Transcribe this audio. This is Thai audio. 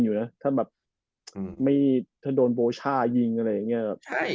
อยู่นะถ้าแบบไม่ถ้าโดนโบช่ายิงอะไรอย่างนี้แบบ